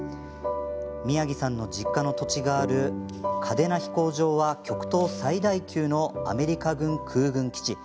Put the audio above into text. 宮城さんの実家の土地がある嘉手納飛行場は極東最大級のアメリカ軍空軍基地。